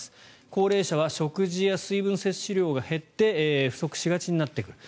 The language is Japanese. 高齢者は食事や水分摂取量が減って不足しがちになってくる。